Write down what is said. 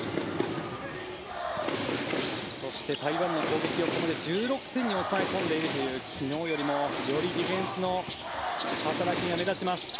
そして台湾の攻撃を、ここで１６点に抑え込んでいるという昨日よりもよりディフェンスの働きが目立ちます。